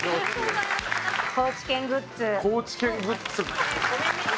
高知県グッズ。